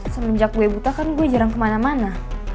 semenjak gue buta kan gue jarang kemana mana